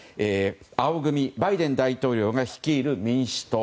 青組バイデン大統領が率いる民主党。